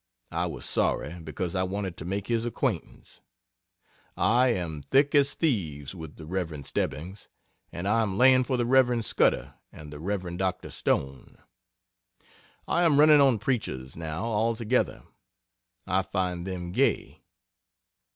I was sorry, because I wanted to make his acquaintance. I am thick as thieves with the Rev. Stebbings, and I am laying for the Rev. Scudder and the Rev. Dr. Stone. I am running on preachers, now, altogether. I find them gay.